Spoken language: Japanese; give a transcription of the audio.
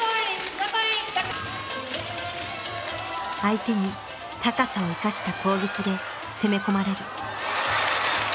相手に高さを生かした攻撃で攻め込まれる。